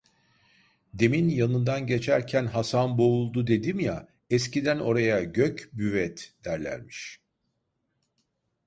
Demin yanından geçerken Hasanboğuldu dedim ya, eskiden oraya Gök Büvet derlermiş.